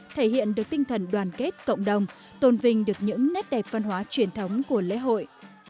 thể hiện được tinh thần đoàn kết cộng đồng tôn vinh được những nét đẹp văn hóa truyền thống của lễ hội